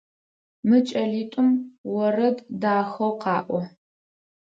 Мы кӏэлитӏум орэд дахэу къаӏо.